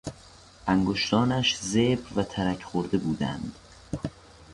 انگشتانش زبر و ترک خورده بودند.